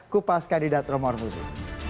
kupas kandidat romor musik